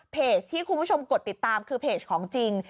ที่คุณผู้ชมกดติดตามคือเพจของจริง